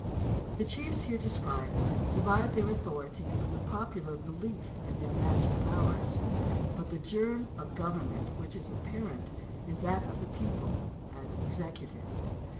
The chiefs here described derive their authority from the popular behef in their magic powers, but the germ of government which is apparent is that of peo ple and executive.